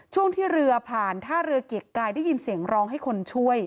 ช่วงที่เรือผ่านท่าเรือเกียรติกายได้ยินเสียงร้องให้คนช่วย